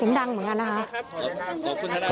เสียงดังเหมือนกันนะครับ